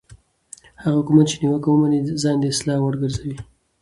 هغه حکومت چې نیوکه ومني ځان د اصلاح وړ ګرځوي